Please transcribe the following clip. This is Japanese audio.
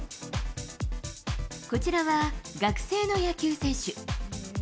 こちらは学生の野球選手。